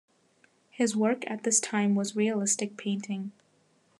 His work at this time was realistic painting.